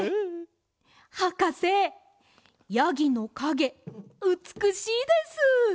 はかせやぎのかげうつくしいです！